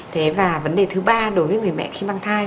thế và vấn đề thứ ba đối với người mẹ khi mang thai